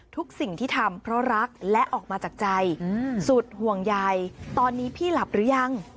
ทุกสิ่งที่ทำเพราะรักและออกมาจากใจสุดห่วงใยตอนนี้พี่หลับหรือยัง